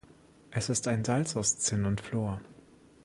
Es ist ein Salz aus Zinn und Fluor.